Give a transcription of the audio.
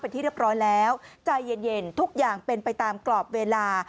เป็นที่เรียบร้อยแล้วใจเย็นทุกอย่างเป็นไปตามกรอบเวลา